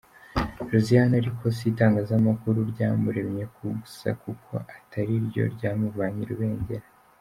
Josiane ariko si itangazamakuru ryamuremye gusa kuko atari ryo ryamuvanye i Rubengera.